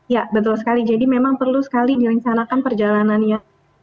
ya betul sekali jadi memang perlu sekali direncanakan perjalanannya